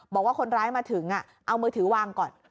บอกว่าคนร้ายมาถึงเอามือถือวางก่อน